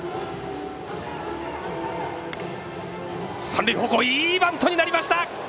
三塁方向いいバントになりました。